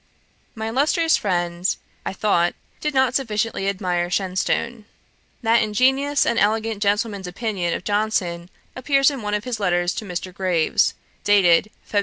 My illustrious friend, I thought, did not sufficiently admire Shenstone. That ingenious and elegant gentleman's opinion of Johnson appears in one of his letters to Mr. Graves, dated Feb.